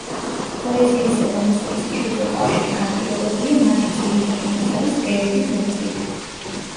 პოეზიისა და მუსიკის მჭიდრო კავშირი განპირობებულია მათი ძირითადი მასალის ბგერითი ბუნებით.